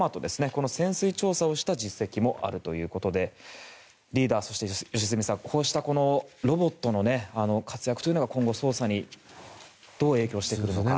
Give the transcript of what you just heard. この潜水調査をした実績もあるということでリーダー、そして良純さんこうしたロボットの活躍というのが今後、捜査にどう影響してくるのか。